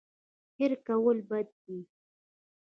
هېر کول بد دی.